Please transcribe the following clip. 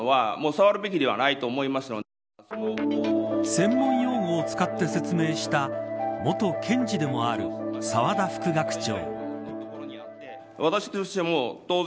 専門用語を使って説明した元検事でもある澤田副学長。